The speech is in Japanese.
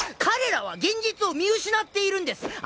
彼らは現実を見失っているんです！